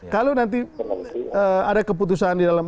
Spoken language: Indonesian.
kalau nanti ada keputusan di dalam